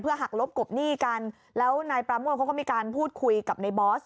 หักลบกบหนี้กันแล้วนายปราโมทเขาก็มีการพูดคุยกับในบอส